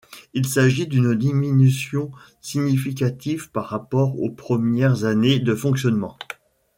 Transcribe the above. Il s'agit d'une diminution significative par rapport aux premières années de fonctionnement.